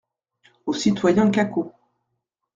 Au citoyen Cacault.